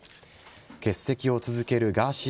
欠席を続けるガーシー